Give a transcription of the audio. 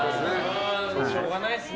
しょうがないっすね